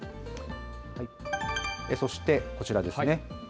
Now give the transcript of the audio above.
そして、こちらですね。